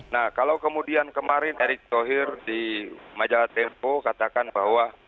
nah kalau kemudian kemarin erick thohir di majalah tempo katakan bahwa